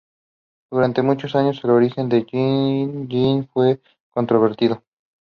Durante muchos años, el origen de Yin Yin fue controvertido.